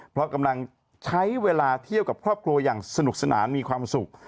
เพราะกำลังใช้เวลาเที่ยวกับครอบครัวอย่างสนุกสนานมีความสุข